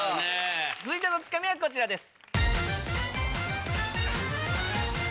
続いてのツカミはこちらです。